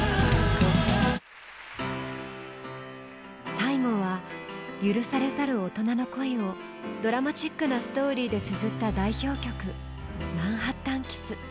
最後は許されざる大人の恋をドラマチックなストーリーでつづった代表曲「マンハッタン・キス」。